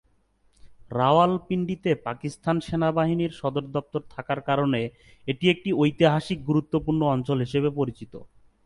রাওয়ালপিন্ডিতে পাকিস্তান সেনাবাহিনীর সদর দফতর থাকার কারণে এটি একটি ঐতিহাসিকভাবে গুরুত্বপূর্ণ অঞ্চল হিসেবে পরিচিত।